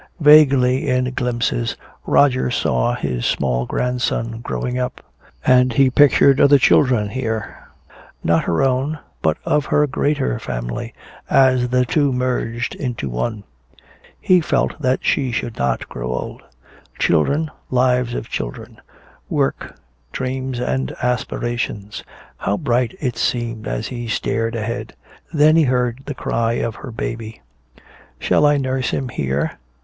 Vaguely in glimpses Roger saw his small grandson growing up; and he pictured other children here, not her own but of her greater family, as the two merged into one. He felt that she would not grow old. Children, lives of children; work, dreams and aspirations. How bright it seemed as he stared ahead. Then he heard the cry of her baby. "Shall I nurse him here?"